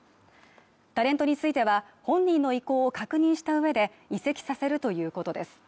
タレントについては、本人の意向を確認した上で移籍させるということです。